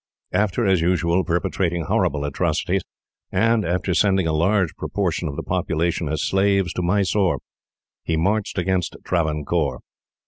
After, as usual, perpetrating horrible atrocities, and after sending a large proportion of the population as slaves to Mysore, he marched against Travancore.